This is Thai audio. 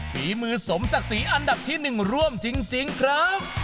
ฝีมือสมศักดิ์ศรีอันดับที่๑ร่วมจริงครับ